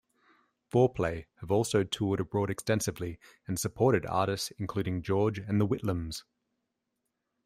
FourPlay have also toured abroad extensively, and supported artists including george and The Whitlams.